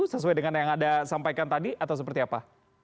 sesuai dengan yang anda sampaikan tadi atau seperti apa